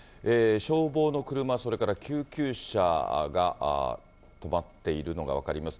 消防の車、それから救急車が止まっているのが分かります。